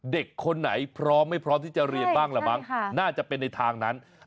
เด็กคนไหนพร้อมไม่พร้อมที่จะเรียนบ้างละมั้งน่าจะเป็นในทางนั้น